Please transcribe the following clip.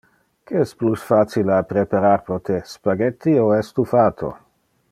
Que es plus facile a preparar pro te, spaghetti o estufato?